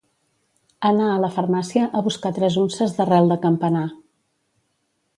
Anar a la farmàcia a buscar tres unces d'arrel de campanar.